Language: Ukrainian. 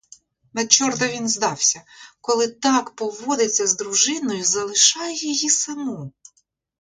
На чорта він здався, коли так поводиться з дружиною й залишає її саму?